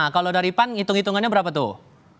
kalau dari pan hitung hitungannya berapa tuh